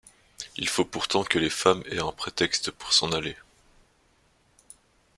Il faut pourtant que les femmes aient un prétexte pour s’en aller.